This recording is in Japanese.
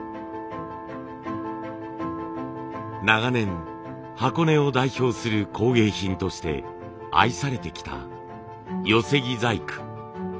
長年箱根を代表する工芸品として愛されてきた寄木細工。